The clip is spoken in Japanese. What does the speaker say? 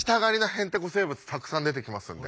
へんてこ生物たくさん出てきますんで。